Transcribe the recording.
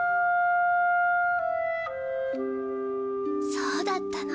そうだったの。